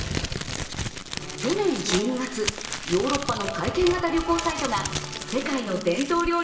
去年１２月、ヨーロッパの体験型旅行サイトが世界の伝統料理